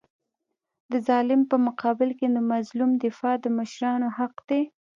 د ظالم په مقابل کي د مظلوم دفاع د مشرانو حق دی.